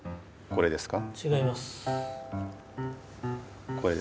これですか？